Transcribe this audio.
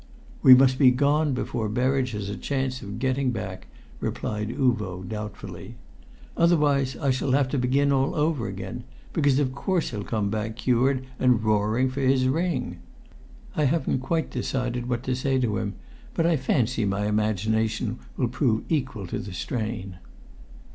"We must be gone before Berridge has a chance of getting back," replied Uvo, doubtfully; "otherwise I shall have to begin all over again, because of course he'll come back cured and roaring for his ring. I haven't quite decided what to say to him, but I fancy my imagination will prove equal to the strain."